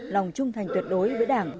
lòng trung thành tuyệt đối với đảng